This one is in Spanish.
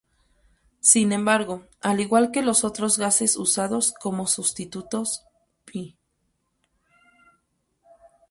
Sin embargo, al igual que los otros gases usados como sustitutos, p.